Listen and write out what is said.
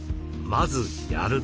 まずやる！